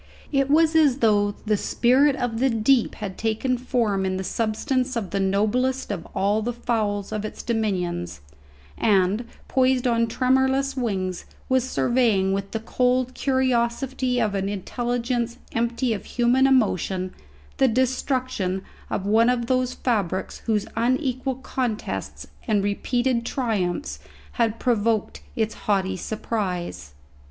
It was as though the spirit of the deep had taken form in the substance of the noblest of all the fowls of its dominions, and, poised on tremorless wings, was surveying with the cold curiosity of an intelligence empty of human emotion the destruction of one of those fabrics whose unequal contests and repeated triumphs had provoked its haughty surprise.